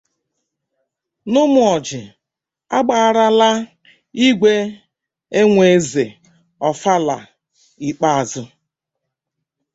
N'Ụmụoji, A Gbaarala Igwe Enweze Ọfala Ikpeazụ